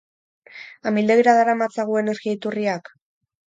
Amildegira daramatzagu energia iturriak?